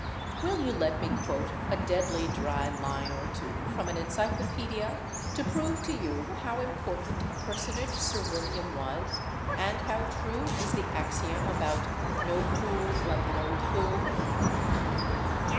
Will you let me quote a deadly dry line or two from an encyclopedia, to prove to you how important a per sonage Sir William was, and how *me is the axiom about "no fool like an old fool"?